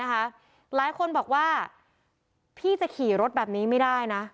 หลายคนบอกว่าพี่จะขี่รถแบบนี้ไม่ได้นะ